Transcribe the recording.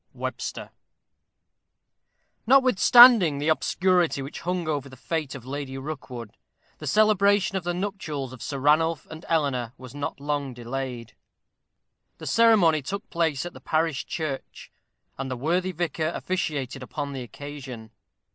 WEBSTER. Notwithstanding the obscurity which hung over the fate of Lady Rookwood, the celebration of the nuptials of Sir Ranulph and Eleanor was not long delayed; the ceremony took place at the parish church, and the worthy vicar officiated upon the occasion.